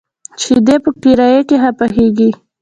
شيدې په کړايي کي ښه پخېږي.